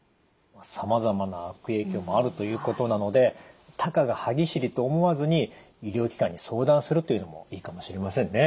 さまざまな悪影響もあるということなのでたかが歯ぎしりと思わずに医療機関に相談するというのもいいかもしれませんね。